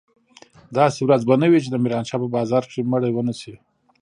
داسې ورځ به نه وي چې د ميرانشاه په بازار کښې مړي ونه سي.